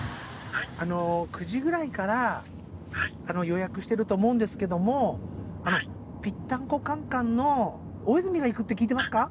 あの９時ぐらいから☎はいはい予約してると思うんですけども☎はいあの「ぴったんこカン・カン」の大泉が行くって聞いてますか？